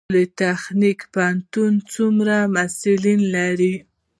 پولي تخنیک پوهنتون څومره محصلین لري؟